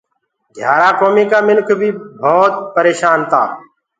گھِيآرآ ڪوميٚ ڪآ منِک بيٚ ڀوت پريشآن تآ